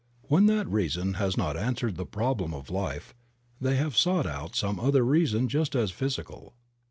When that reason has not answered the problems of life they have sought out some other reason just as physical.